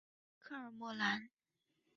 科尔莫兰。